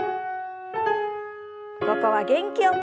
ここは元気よく。